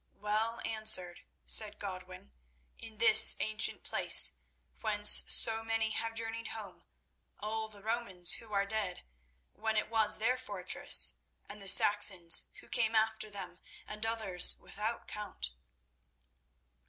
"Well answered," said Godwin, "in this ancient place, whence so many have journeyed home; all the Romans who are dead, when it was their fortress, and the Saxons who came after them, and others without count."